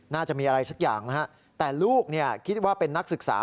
น่าจะมีอะไรสักอย่างนะฮะแต่ลูกคิดว่าเป็นนักศึกษา